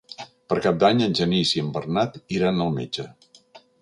Per Cap d'Any en Genís i en Bernat iran al metge.